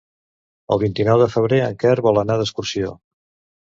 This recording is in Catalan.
El vint-i-nou de febrer en Quer vol anar d'excursió.